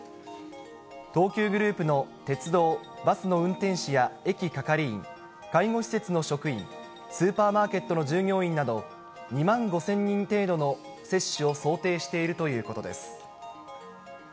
東急グループの鉄道、バスの運転士や駅係員、介護施設の職員、スーパーマーケットの従業員など、２万５０００人程度の接種を想定しているということです。